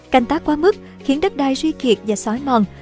canh tác quá mức khiến đất đai suy kiệt và xói mòn